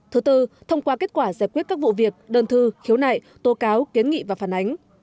thứ tư thông qua kết quả giải quyết các vụ việc đơn thư khiếu nại tố cáo kiến nghị và phản ánh